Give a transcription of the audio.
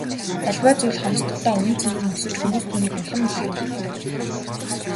Аливаа зүйл хомсдохдоо үнэ цэн нь өсөж хүмүүс түүнийг улам ихээр үгүйлдэг.